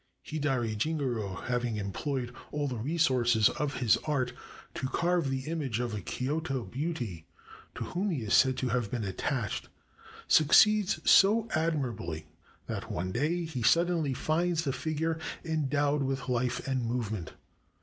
Hidari Jingoro having employed all the resources of his art to carve the image of a Kioto beauty to whom he is said to have been attached, succeeds so admirably that, one day, he suddenly finds the figure endowed with life and movement.